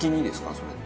それって。